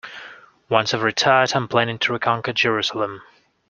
Once I've retired, I'm planning to reconquer Jerusalem.